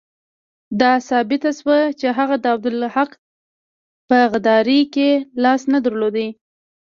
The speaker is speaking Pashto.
دا ثابته شوه چې هغه د عبدالحق په غداري کې لاس نه درلود.